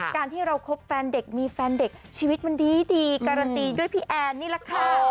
การที่เราคบแฟนเด็กมีแฟนเด็กชีวิตมันดีการันตีด้วยพี่แอนนี่แหละค่ะ